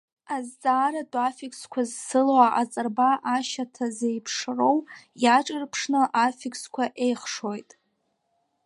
Азҵааратә аффиксқәа зцыло аҟаҵарба ашьаҭа зеиԥшроу иаҿырԥшны аффиксқәа еихшоит…